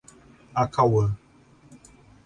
Acauã